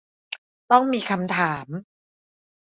ต้องมีคำตอบ